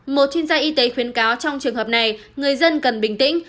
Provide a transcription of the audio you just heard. một chuyên gia y tế khuyến cáo trong trường hợp này người dân cần bình tĩnh